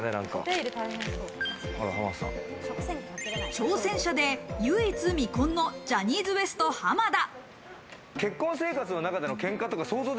挑戦者で唯一未婚のジャニーズＷＥＳＴ・濱田。